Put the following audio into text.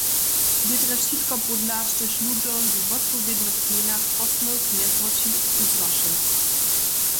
Bě drje wšitko pódla, štož ludźom we wotpowědnych gmejnach posměwk mjezwoči kuzłaše.